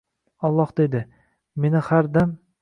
Аlloh deydi: meni har dam